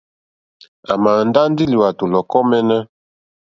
À màà ndá lí lùwàtù lɔ̀kɔ́ mǃɛ́ɛ́nɛ́.